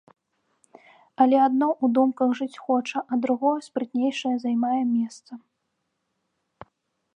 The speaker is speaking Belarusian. Але адно ў думках жыць хоча, а другое, спрытнейшае, займае месца.